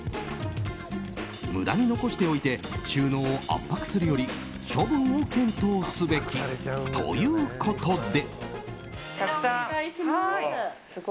無駄に残しておいて収納を圧迫するより処分を検討すべきということで。